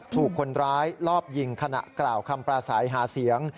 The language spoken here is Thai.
ถูกคนร้ายลอบยิงขณะกล่าวคำปราศัยหาเสียง